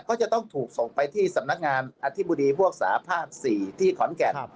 ก็จะต้องถูกส่งไปที่สำนักงานอธิบดีพวกสาภาพ๔ที่ขอนแก่น